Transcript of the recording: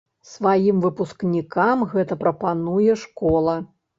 Сваім выпускнікам гэта прапануе школа.